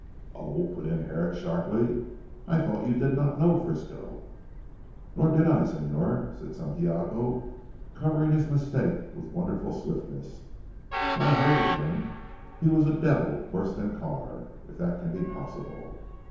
"Oh!" put in Herrick sharply, "I thought you did not know Frisco!" "Nor did I Señor," said Santiago covering his mistake with wonderful swiftness "but I heard of him. He was a devil worse than Carr, if that can be possible.